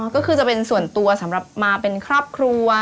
ก็คือจะเป็นส่วนตัวสำหรับมาเป็นครอบครัว